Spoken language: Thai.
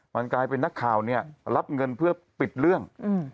มันกลายเป็นนักข่าวเนี่ยรับเงินเพื่อปิดเรื่อง